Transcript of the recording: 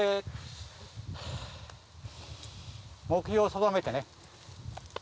目標を定めてね。